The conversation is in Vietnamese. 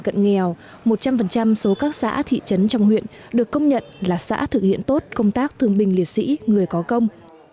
cận nghèo một trăm linh số các xã thị trấn trong huyện được công nhận là xã thực hiện tốt công tác thương binh liệt sĩ người có công